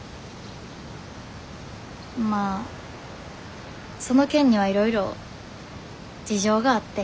まあその件にはいろいろ事情があって。